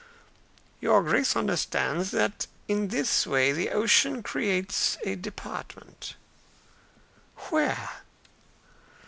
"Your Grace understands that in this way the ocean creates a department." "Where?"